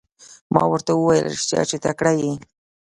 ما ورته وویل رښتیا چې تکړه یې.